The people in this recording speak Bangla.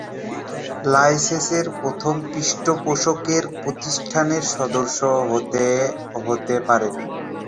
লাইসেন্সের জন্য পৃষ্ঠপোষককে প্রতিষ্ঠানের সদস্য হতে হতে পারে।